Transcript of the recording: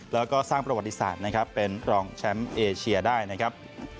แล้วก็สร้างประวัติศาสตร์นะครับเป็นรองแชมป์เอเชียได้นะครับ